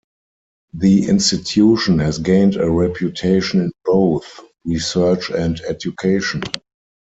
The institution has gained a reputation in both research and education.